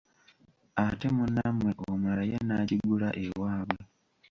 Ate munnammwe omulala ye n'agigula ewaabwe.